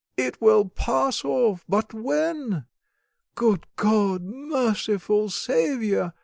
"It will pass off, but when? Good God! Merciful Saviour!